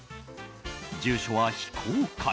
住所は非公開。